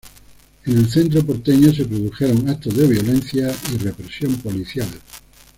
En el centro porteño se produjeron actos de violencia y represión policial.